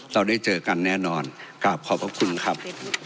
เราได้เจอกันแน่นอนขอบคุณครับ